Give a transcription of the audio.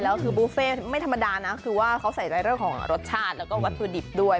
แล้วคือบุฟเฟ่ไม่ธรรมดานะคือว่าเขาใส่ใจเรื่องของรสชาติแล้วก็วัตถุดิบด้วย